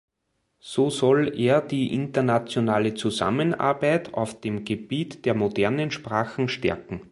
So soll er die internationale Zusammenarbeit auf dem Gebiet der modernen Sprachen stärken.